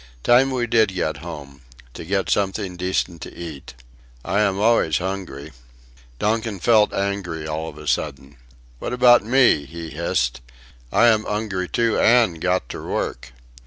"Time we did get home... to get something decent to eat... I am always hungry." Donkin felt angry all of a sudden. "What about me," he hissed, "I am 'ungry too an' got ter work.